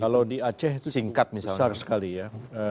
kalau di aceh itu singkat misalnya